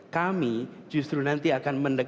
kami justru nanti akan